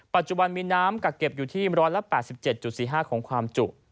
ปัจจุบันมีน้ำกักเก็บอยู่ที่๑๘๗๔๕ของความจุ